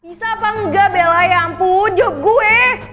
bisa apa engga bella ya ampun jawab gue